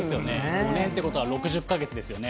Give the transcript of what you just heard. ５年ってことは６０か月ですよね。